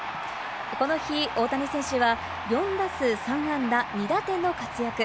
この日、大谷選手は４打数３安打２打点の活躍。